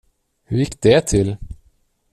Hur gick det till?